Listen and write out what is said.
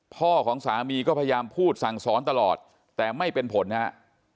พ่อของสามีก็พยายามพูดสั่งสอนตลอดแต่ไม่เป็นผลนะครับ